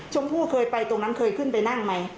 ชมพู่เคยไปตรงนั้นเคยขึ้นไปนั่งไหม